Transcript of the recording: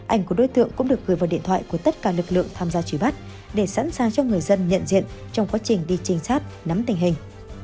ảnh của đối tượng cũng được gửi vào điện thoại của tất cả lực lượng tham gia trí bắt để sẵn sàng cho người dân nhận diện trong quá trình đi trinh sát nắm tình hình